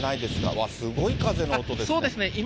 わー、すごい風の音ですね。